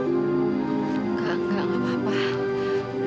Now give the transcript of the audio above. enggak enggak apa apa